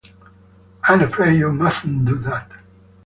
I'm afraid you mustn't do that.